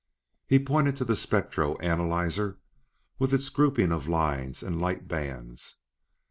He pointed to the spectro analyzer with its groupings of lines and light bands.